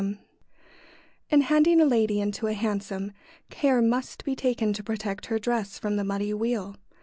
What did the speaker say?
] In handing a lady into a hansom care must be taken to protect her dress from the muddy wheel.